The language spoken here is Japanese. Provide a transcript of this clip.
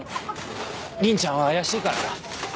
鈴ちゃんは怪しいからな。